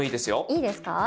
いいですか。